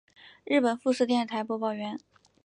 日本富士电视台播报员。